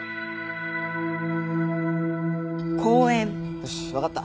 よしわかった。